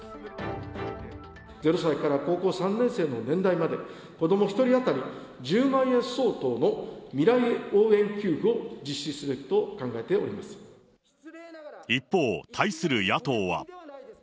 ０歳から高校３年生の年代まで、子ども１人当たり１０万円相当の未来応援給付を実施すべきと考え一方、対する野党は。